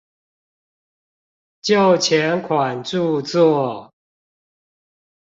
就前款著作